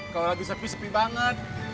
kalau lagi sepi sepi banget